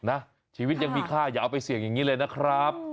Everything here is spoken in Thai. นะชีวิตยังมีค่าอย่าเอาไปเสี่ยงอย่างนี้เลยนะครับ